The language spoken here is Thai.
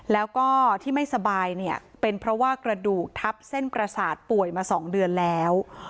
แล้วก็ที่ไม่สบายเนี่ยเป็นเพราะว่ากระดูกทับเส้นประสาทป่วยมา๒เดือนแล้ว